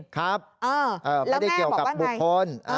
ครับไม่ได้เกี่ยวกับบุคคล